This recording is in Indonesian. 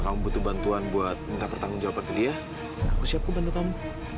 kalau kamu butuh bantuan buat minta pertanggung jawaban ke dia aku siapku bantu kamu